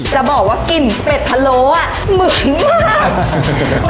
จะบอกว่ากลิ่นเป็ดพะโล้เหมือนมาก